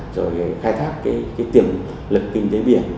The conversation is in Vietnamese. rồi khai thác cái tiềm lực kinh tế biển